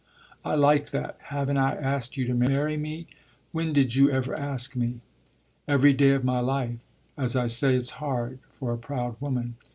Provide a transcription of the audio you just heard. "I like that! Haven't I asked you to marry me? When did you ever ask me?" "Every day of my life! As I say, it's hard for a proud woman."